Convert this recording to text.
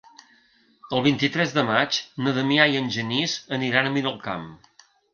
El vint-i-tres de maig na Damià i en Genís aniran a Miralcamp.